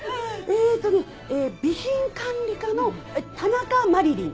えっとね備品管理課の田中麻理鈴。